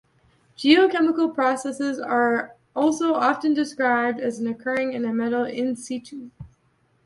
Geochemical processes are also often described as occurring to material "in situ".